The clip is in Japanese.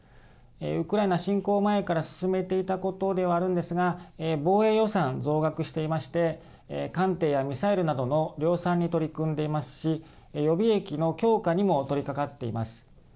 ウクライナ侵攻前から進めていたことではあるんですが防衛予算、増額していまして艦艇やミサイルなどの量産に取り組んでいますし予備役の強化にも取りかかっています。